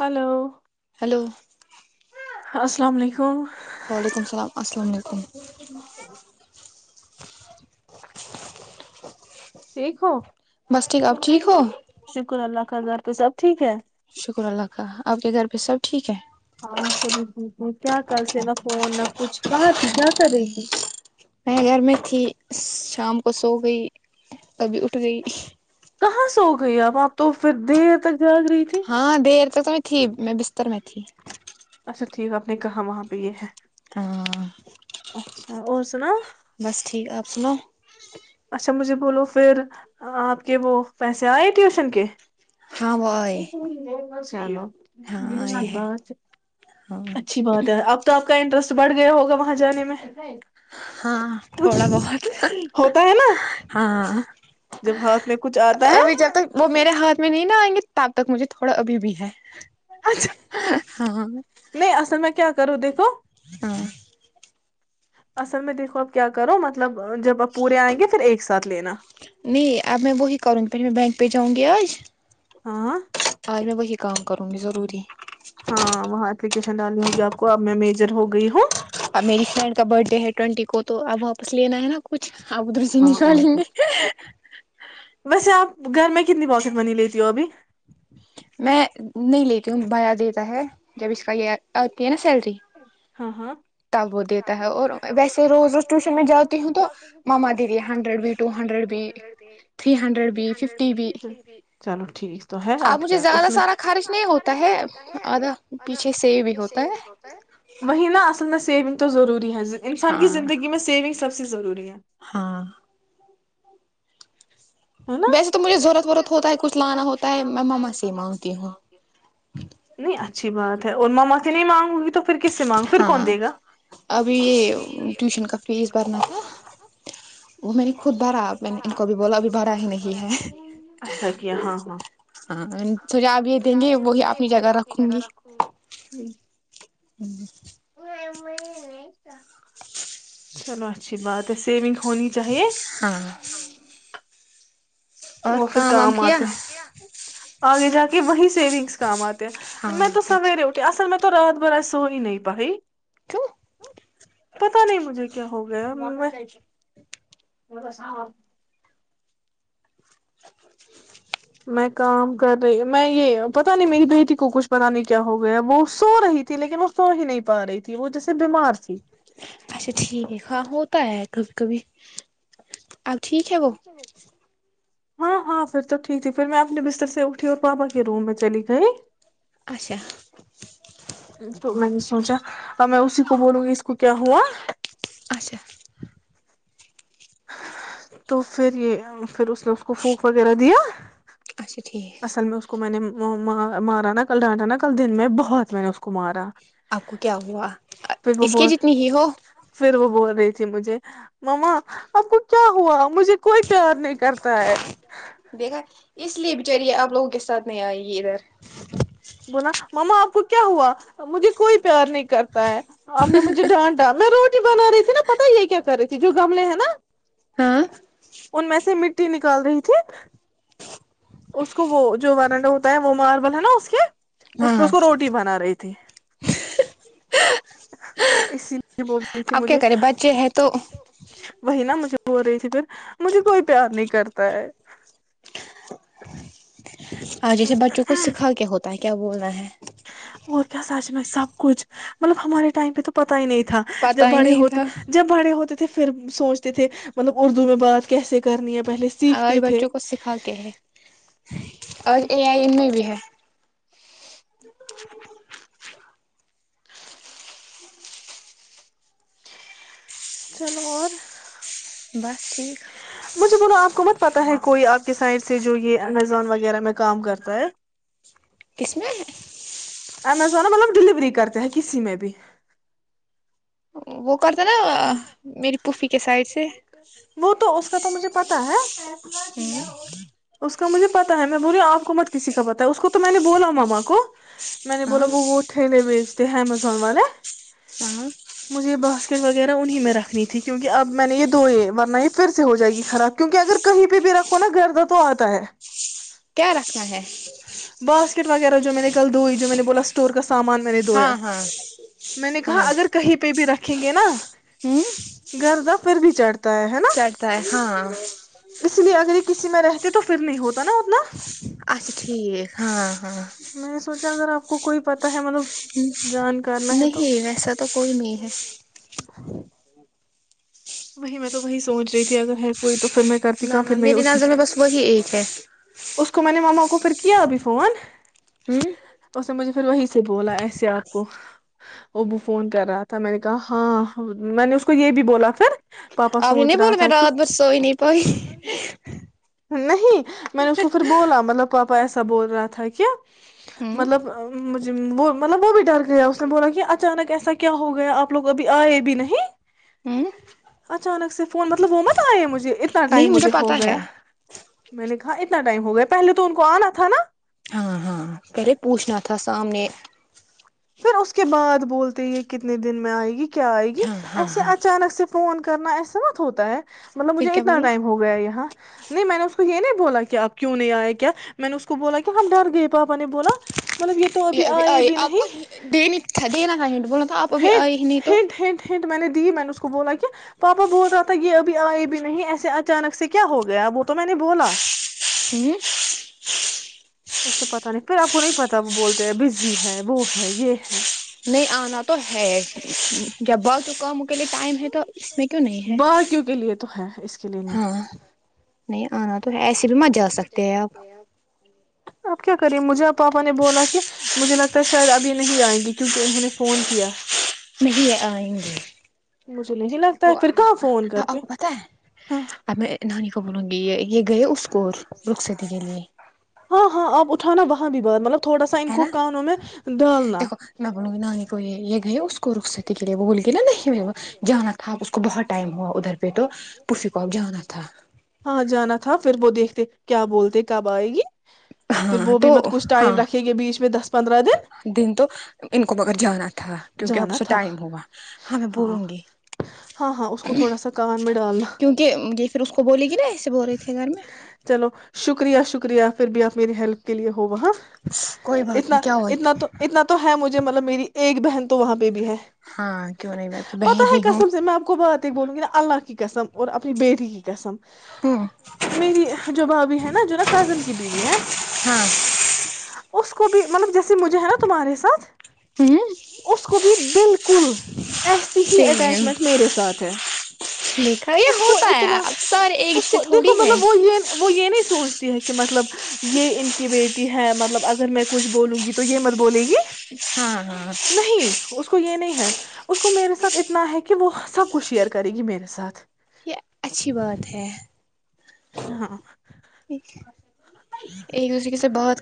hello hello السلام علیکم و ععلیکم السلام السلام علیکم دیک ہو بس ٹھیک اب ٹھیک ہو شکر اللہ کر گھر پہ سب ٹھیک ہے شکر اللہ کا آپ کے گھر پہ سب ٹھیک ہے ہاں سبھی ٹھیک ہے کیا کر سے نہ فون نہ کچھ کہاں تھی کیا کر رہی تھی میں گھر میں تھی شام کو سو گئی کبھی اٹھ گئی کہاں سے ہو گئی اب آپ تو پھر دیر تک جاگ رہی تھی ہاں دیر تو میں تھی میں بستر میں تھی اچھا ٹھیک ہے آپ نے کہا وہاں پہ یہ ہے ہاں اور سنا بس ٹھیک آپ سناؤ اچھا مجھے بولو پھر آپ کے وہ پیسے آئے ٹیوشن کے ہاں وہ آئے چلو ہاں آئے ہے بات ہاں اچھی بات ہے اب تو آپ کا انٹرسٹ بڑھ گیا ہوگا وہاں جان میں ہاں تھوڑا بہت ہوتا ہے نا ہاں جب ہاتھ میں کچھ آتا ہے ابھی جب تک وہ میرے ہاتھ میں نہیں نا آئیں گے تب تک مجھے تھوڑا ابھی بھی ہے ہاں نہیں اصل میں کیا کروں دیکھو ہاں اصل میں دیکھو اب کیا کرو مطلب جب آپ پورے آئیں گے پھر ایک ساتھ لینا نہیں اب میں وہی کروں گی پہھر میں بینک پہ جاؤں گی کیز ہاں آج میں وہی کام کروں گی ضروری ین ڈالی ہوگیپ کو اب میں میجر ہو گئی ہوں اب میری فرینڈ کا برتھ ڈے ہے ٹوینٹی کو تو اب واپس لینا ہے نا کچھ ابدر چ نہیں ہاں وال اور ل کیا گے ویسے آپ گھر میں کتنی بست منی لیتی ہو ابھی میں نہیں لیتی ہوں بیا دیتا ہے جب اس کا یہ آتی ہے نا سلری ہاں ہاں تب وہ دیتا ہے اور ویسے روز روز ٹیوشن میں جاتی ہوں تو مما دیدی ہنڈریڈ بھی ٹو ہنڈریڈ بھی تھری ہنڈریڈ بھی ففٹی بھی چلو ٹھیک تو ہے اب آپ مجھے کیا اس زیادہ میں سارا خرچ نہیں ہوتا ہے ہے آدھا پیچھے سے بھی ہوتا ہے [unintelligible] وہیں نہ نا اصل نا سیونگ تو ضروری ہے [unintelligible] انسان کی ہاں زندگی میں سیونگ سب سے [unintelligible] ضروری ہے [inaudible] ہاں [inaudible] نا ویسے تو ضرورت مجھے ورورت ضورت ورت ہوتا ہے کچھ لانا میں ہوتا ہے ماما سے ہی مانگتی ہوں [unintelligible] اچھی بات ہے اور میں مست نہیں مانوں گی تو [unintelligible] مانگ پھر ہاں کون دے گا ابھی یہ ٹیوشن کا فیس بھرنا تھا وہ میں نے خود بھرا میں نے ان کو [unintelligible] بھرا ہی نہیں ہے اچھا کیا ہاں ہاں [inaudible] ہاں تو جو آپ یہ دیں گے وہی اپنی جگہ رکھوں گی [unintelligible] چلو اچھی بات ہے سیونگ [inaudible] ہاں [unintelligible] اور پھر کام آتے ہیں آگے جا کے [unintelligible] کہ وہیں سیونگس کام آ [unintelligible] ہاں میں تو سچ سویے اٹھی اصل میں تو رات بھر ایسو ہی نہیں پائی کیوں پتا نہیں مجھے کیا ہو گیا م میں [unintelligible] میں کام کر رہی میں یہ پتا نہیں میری بیٹی کو کچھ پتا نہیں کیا ہو گیا وہ سو رہی تھی لیکن وہ سو ہی نہیں پا رہی تھی وہ جیسے بیمار تھی کب [unintelligible] آؤ ٹھیک ہےب ہاں ہاں پھر توٹیک ہے پھر میں اپنے بستر سے اٹھی اور پاپا کے روم میں چلی گئی اچھا تو میں نے سوچا [unintelligible] تو میں اسی کو بولوں گی اس کو کیا ہوا اچھا [unintelligible] تو پھر یہ پھر اس نے اس کو پھونک وغیرہ دیا اچھا ٹھیک اصل میں اس کو میں نے مارا نا کل ڈانٹا نا کل دن میں بہت میں نے اس کو مارا [unintelligible] آپ کو کیا ہوا پھر وہ اس کی بول جتنی ہی ہو پھر وہ بول رہی تھی مجھے ما آپ کو کیا ہوا مجھے کوئی پیار نہیں کرتا ہے [unintelligible] دیکھا اس لیے بچاری آپ لوگوں کے ساتھ نہیں آئے گی ادھر بونا ماما آپ کو کیا ہوا مجھے کوئی پیار نہیں کرتا ہے [unintelligible] آپ نے مجھے ڈانٹا میں روٹی بنا رہی تھی نا پتا یہ کیا کر رہی تھی جو گملے ہیں نا [unintelligible] ہاں [unintelligible] ان میں سے مٹی نکال رہی تھی اس کو وہ جو وارنڈا ہوتا ہے وہ ماربل ہے نا اس کے اس پ ہاں اس کو روٹی بنا رہی تھی اس [unintelligible] بول رہی تھی اب کیا مجھے کرے بچے ہیں تو وہی نا مجھے [unintelligible] ہو رہی تھی پھر مجھے کوئی پیار نہیں کرتا ہے آ جیے بچوں کو سکھا کیا ہوتا ت کیا بول رہ ہے [unintelligible] کیا ساچنا سب کچھ مطلب ہمارے ٹائم پہ تو پتا ہی نہیں تھا تھا جب پتا ہی بھاڑے نہیں ہوتے تھا جب بھاڑے ہوتے تو پھر سوچتے تھے مطلب اردو میں بات کیسے کرنی ہے پہلے آج سیکھتے تھے بچوں کو سکھا کے ہے اورج اے آئی ای میں بھی ہے [inaudible] چلو اور [unintelligible] بس ٹھیک مجھے بولو آپ کو مت پتاہ ہے کوئی آپ کے سائڈ سے جو یہ امیزون وغیرہ میں کام کرتا ہے [unintelligible] کسم ہے [unintelligible] امیزون مطلب ڈیلیوری کرتے ہیں کسی میں بھی وہ کرتا نا میری پوفی کے سائڈ سے وہ تو اس کا تو مجھے پتتا ہے فصلہ کیا [unintelligible] مجھے پتا ہے میں بول آپ کو مت کسی کا پتا ہے اس کو تو میں نے بولا ماما کو میں نے بولا ہاں وہٹھیے وس تو امیزون والا ہاں مجھے یہ بس [unintelligible] اسکٹ وغیرہ انہیں میں رکھنی تھی کیونکہ اب میں نے یہ دو یہ ورن یہ پھر سے ہو جائے گی خراب کیونکہ اگر کہیں پہ بھی رکھو نا گھردہ تو آتا ہے کیا رکھنا ہے [unintelligible] باسکٹ وغیرہ جو میں نےل دو ہی جو میں نے بلا اسٹور کا سامان میں نے دھویا ہاں ہاں میں نے کہا اگر کہیں پہ بھی رکھ ریں گے نا [unintelligible] ہوں [unintelligible] کرا پھر بھی چڑھتا [unintelligible] ہے ہے نا ہے ہاں اس لیے اگر ایک کسی میں رہتے تو پھر نہیں ہوتا نا اتنا اچھا ٹھیک ہاں [unintelligible] ہاں میں نے سوچا اگر آپ کوئی پتا ہے مطلب ہ جانکار میں ہے تو نہیں ویسا تو کوئی نہیں ہے [unintelligible] ا [inaudible] وہی میں تو وہی سوچ رہی تھی اگر ہے کوئی [unintelligible] کرتی نہ کہاں نہ پھر میری اسی نظ میں بس وہی ایک ہے [unintelligible] اس کو میں نے ماما کو پھر کیا ابھی فون ہوں اس نے مجھے پھر وہی سے بولا ایسے آ کو ا فون کر رہا تھا میں نے کہا ہاں میں نے اس کو یہ بھی بولا پھر [unintelligible] آنی سوچ نہیں رہا بول میں تھا کہ رات بسوئی نہیں پئی نہیں میں نے اس کو پھر بولا مطلب پاپا ایسا بول رہا تھا کیا ہوں مطلبجھ وہ مطلب وہ بھی ڈر گیا اس نے بولا کہ اچانک ایسا کیا ہو گیا آپ لوگ ابھی آئے بھی نہیں ہوں اچانک سے فون مطلب وہ مت آئے مجھے اتنا نہیں ٹائم مجھے پتا ہو گیا ہے میں نے کہا اتنا ٹائم ہو گیا پہلے تو ان کو آنا تھا نا ہاں ہاں پہلے پوچھنا تھا سامنے [unintelligible] پھر اس کے بعد بولتے یہ کتنے دن میں آئے گی کیا آئے گ ہاں ہاں ہاں فون کرنا ایسا مت ہوتا ہے مطلب پھر مجھے کیا اتنا بولا ٹائم ہو گیا یہاں نہیں میں نے اس کو یہ نہیں بولا کہ آپ کیوں نہیں آئے کیا میں نے اس کو بولا کہ ہم ڈر گئے پاپا نے بولا مطلب یہ تو اب بھی ابھی آئی آئے بھی نہیں آپ کو ہی دینی تھا دینا تھا بوللا تھا آپ ابھی آئے ہی نہیں تو تو میں نے دی میں نے اس کو بولا کہ پاپا بول رہا تھا یہ ابھی آئے بھی نہیں ایسے اچانک سے کیا ہو گیا وہ تو میں نے بولا ہوں اس سے پتا نہیں پھر آپ کو نہیں پتا وہ بولتے ہیں بزی ہے وہ ہے یہ ہے نہیں آنا تو ہے بہت کم کے لیے ٹائم ہے تو اس میں کیوں نہیں ہے باقیوں کے لیے تو ہے اس کے لیے ہاں نہیں نہیں آنا تو ایسے بھی مت جا سکتے ہیں آپ اب کیا کریے مجھے آ پاپا نے بولا کہ مجھے لگتا ہے شاید ابھی نہیں آئیں گے کیونکہ انہوں نے فون کیا نہیں آئیں گے مجھے نہیں لگتا دیکھو ہے پھر کہاں آپ فون کر آپ کے کو پت ہے ہاں ا نانی کو گی یہ گئے کوور رخصتی کے لیے ا نا وہاں بھی بہتطلب تھوڑا سا ان ہے کوو نا کا ا انو میں دالناہ گ اس کوک رق س سے ت کے لیے بول کےی نہ نہیں میرے جانا تھا اب اس کو بہت ٹائم ہوا ادھر پہ تو پفی کوپ جانا تھا ہاں جانا تھا پھر وہ دیکھتے کیا بولتے کب آئے گی پھر ہاں وہ بھی تو مت کچھ ہاں ٹائم رکھیں گے بیچ میں دس پندرہ دن ان کو بغگر جانا تھا تھا کیونکہ اب جانا سے تھا ٹائم ہوگا ہاں میں بولوں گی ہاں ہاں اس کو تھوڑا سا کان میں ڈالنا کیونکہ یہ پھر اس کو بولے گی نا ایسے بول رہے تھے گھر میں چلو شکریہ شکریہ پھر بھی آپ مری ہیلپ کے لیے ہو وہ ہاں کوئی بات اتنا نہیں کیا ہوا اتنا تو اتنا تو ہے مجھے مطلب میری ایک بہن تو وہاں ب ہے ہاں کیوں نہیں میں آپ کی پتا بہن ہے ہی ہوں کسم سے میں آپ کو بات بولوں گی نا اللہ کی قسم اور اپنی بیٹی کی قسم [inaudible] ہوں میری جو بھابھی ہے نا جو نا کزن کی بیوی ہے ہاں [inaudible] اس کو بھی مطلب جیسے مجھے ہے نا تمہارے سھ [inaudible] ہوں [inaudible] اس کو بھی بالکل [inaudible] کل [inaudible] ایسی ہی سیم اٹیچمنٹ میرے ساتھ ہے دیکھا یہ اس کو ہوتا ہے اتنا اب سارے ایک اس سے کو دیکھو تھوڑی ہے مطلب وہ یہ [inaudible] وہ یہ نہیں سوچتی ہے کہ مطلب یہ ان کی بیٹی ہے مطلب اگر میں کچھ بولوں گی تو یہ مت بولے گی [inaudible] ہاں ہاں [inaudible] نہیں اس کو یہ نہیں ہے اس کو میرے ساتھ اتنا ہے کہ وہ سب کچھ شیئر کرے گی میرے ساتھ [inaudible] یہ اچھی بات ہے ہاں [inaudible] ایک دوسرے کے سے بہت [inaudible]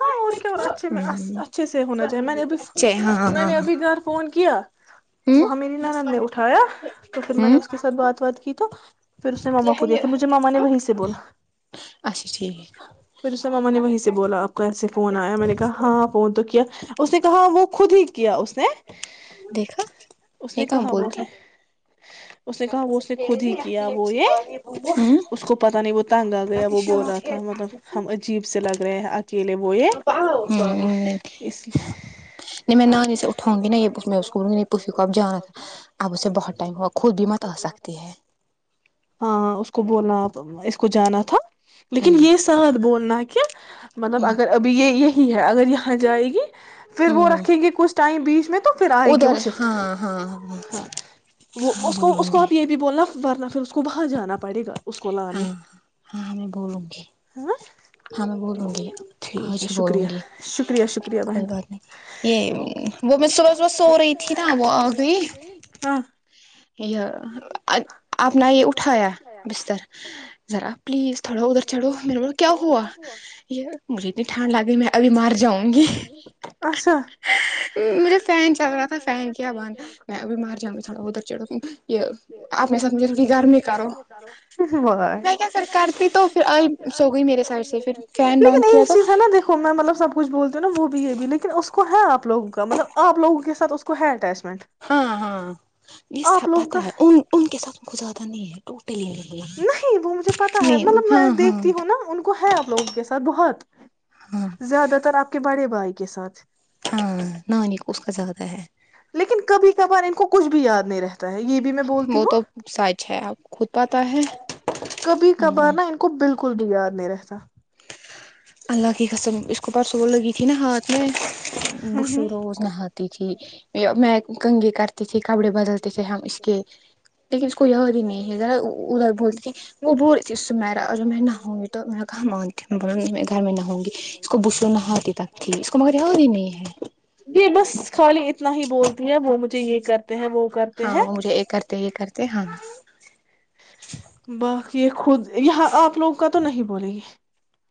ہاں اور کیا اچھے ہ اچھے سے ہونا چاہیے میں نے ابھی چ ہاں ہاں میں ہاں نے ابھی گھر فون کیا ہاں وہاں میری نند نے اٹھایا تو پھر ہ میں نے ہ اس کے ساتھ بات بات کی تو [inaudible] پھر اس نے ماما کو دیا پھر مجھے ماما نے وہیں سے بولا اچھا ٹھیک [inaudible] پھر اسا ماما نے وہیں سے بولا آپ کیسے فون آیا میں نے کہا ہاں فون تو کیا [inaudible] اس نے کہا وہ خود ہی کیا اس دیکھا [inaudible] اس یہ نے کہاں کہا وہ اس بولتی نے [inaudible] اس نے کہا وہ اس نے خود ہی کیا وہ یہ اس کو پتا نہیں وہ تنگ آ گیا وہ بول [inaudible] ہم عجیب سے لگ رہے ہیں اکیلے وہ یہ اس لیے نہیں میں نانی جی سے اٹھاؤں گی ن یہ اسکول گی پوفی کو اب جانا تھا اب اسے بہت ٹائم ہوا [inaudible] سکتی ہے ہاں اس کو ب [inaudible] اپنا اس کو جانا تھا [inaudible] ہ لیکن یہ ساتھ بولنا کہ مطلب ہ اگر ابھی یہ یہ ہے اگر یہ جائے گی پھر وہ ہ رکھیں گے کچھ ٹائم بیچ میں تو پھر آئے گی وہ ادھر شفٹ ہاں ہاں ہاں وہ ہاں کو اس بولوں کو گی آپ یہ بھی بولنا ورنہ پھر اس کو باہر جانا پڑے گا اس کو لانے ہاں ہاں ہم بولوں گی ہاں ہاں میں بولوں گی ٹھیک آج ہے ہی شکریہ بولوں گی شکریہ شکریہ بہن کوئی بات نہیں یہ وہ میں صبح صبح سو رہی تھی نا ہاں یا آپ نے یہ اٹھایا بستر ذرا پلیز تھوڑا ادھر چڑھو میرے ب کیا ہوا یہ مجھے اتنی ٹھانڈ لگی میں ابھی مار جاؤں گی اچھا مجھے فین چل رہا تھا فین کیا بند میں ابھی مار جاؤں گی تھوڑا ادھر یہ آپ میرے ساتھ مجھے تھوڑی گرمی کرو میں کیا پھر کرتی تو پھر آئی سو گئی میرے سائڈ سے پھر فین لیکن بند کیا ایک تو چیز ہے نا دھو میں مطلب سب کچھ بولتی ہوں نا وہ بھی یہ بھی لیکن اس کو ہے آپ لوگوں کا مطلب آپ لوگوں کے سات اس کو ہے ٹیسٹ ہاں ہاں یہ سھپا لوگوں کا ہے ان ان کے ساتھ کو زیادہ نہیں ہے نہیں ہے نہیں وہ مجھے پتا ہے نہیں مطلب میں ہاں ہاں دیکھتی ہوں نا ان کو ہے آپ لوگوں کے ساتھ بہت ہاں زیادہ تر آپ کے بڑے بھائی کے ساتھ ہاں نہ نہیں اس کا زیادہ ہے لیکن کبھی کبھار ان کو کچھ بھی یاد نہیں رہے وہ تو سچ ہے آپ خود پاتا ہے ہ کچھ بھی یاد نہیں رہتا اللہ کی قسم اس کو پرسو وہ لگی تھی نا ہاتھ میں بش روز نہ ہاتک میں کنگی کرتے کپڑے بدلتے تھے ہم اس کے لیکن اس کو ہی نہیں ہے ذرا ادھر بولتی تھی وہ بول تھی اس سے میرا اور جو میں نہ ہوں گی تو میرا کہاں مانتی ب گھر میں نہ ہوں گی اس کو بشو نہ آتی تک تھی اس کو مگر ہو ہی نہیں ہے یہ بس خالی اتنا ہی بولتی ہے وہ مجھے یہ کر ہاں وہے یہ کرتے یہ کرتے ہاں باقی یہ خود یہاں آپ لوگوں کا تو نہیں بولے گی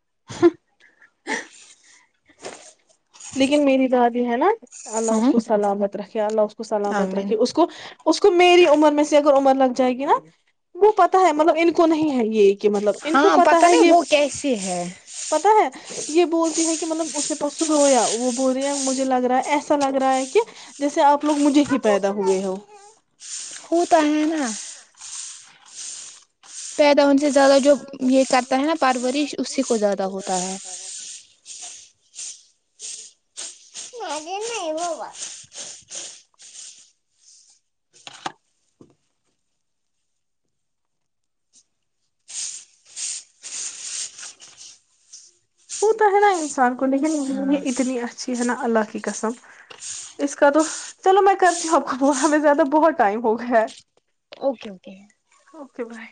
[inaudible] لیکن میری دادی ہے نا اللہ اس ہاں کو سلامت رکھے رکھے اللہ کو سلامت آمین رکھھی اس کو اس کو میری عمر میں سے عمر لگ جائے گی نا وہ پتا ہے مطلب ان کو نہیں ہے یہ کہ مطلب ان کو ہاں پتا ہے نہیں یہ وہ کیسے ہے پتا ہے یہ بولتی ہے کہ مطلب اس نے پرسو رویا وہ بول رہے مجھے لگ رہا ہے ایسا لگ رہا ہے کہ جیسے آپ لوگ مجھے ہی پیدا ہوئے ہو ہو تنا پیدا ہونے سے زیادہ جو یہ کرتا ہے نا پرارورش اسی کو زیادہ ہوتا ہے لگ نہیں وہبات [unintelligible] وہ تو ہے نا انسان کو لیکن انڈ ہاں یہ اتنی اچھی ہے نا اللہ کی قسم اس کا تو چلو میں کرتی ہوں اب کو ہمیں زیادہ بہت ٹائم ہو گیا ہے اوکے اوکے اوکے بائی